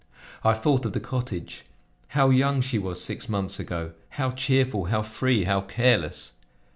I thought of the cottage. How young she was six months ago! How cheerful, how free, how careless!